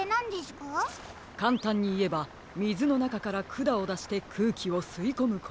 かんたんにいえばみずのなかからくだをだしてくうきをすいこむことです。